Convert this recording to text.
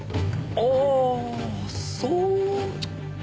ああそう。